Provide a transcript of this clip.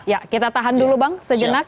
ya kita tahan dulu bang sejenak